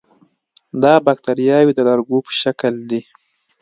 دا باکتریاوې د لرګو په شکل دي.